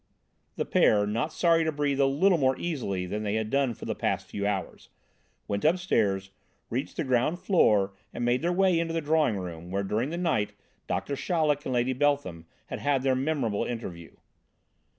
The pair, not sorry to breathe a little more easily than they had done for the past few hours, went upstairs, reached the ground floor and made their way into the drawing room, where during the night Doctor Chaleck and Lady Beltham had had their memorable interview.